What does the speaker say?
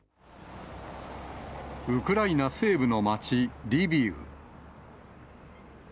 ウクライナ西部の町、リビウ。